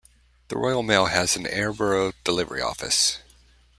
The Royal Mail has an Aireborough delivery office.